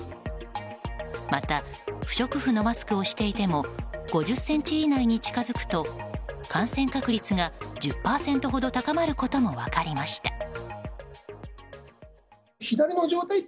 また不織布のマスクをしていても５０ｃｍ以内に近づくと感染確率が１０％ほど高まることも分かりました。